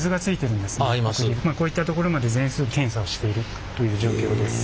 こういったところまで全数検査をしているという状況です。